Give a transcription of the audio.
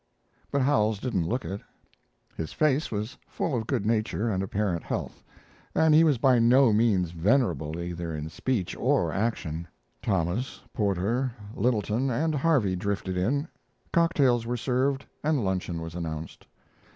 But Howells didn't look it. His face was full of good nature and apparent health, and he was by no means venerable, either in speech or action. Thomas, Porter, Littleton, and Harvey drifted in. Cocktails were served and luncheon was announced.